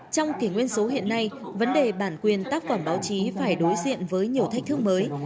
trong kỷ nguyên số hiện nay vấn đề bản quyền tác phẩm báo chí phải đối diện với nhiều thách thức mới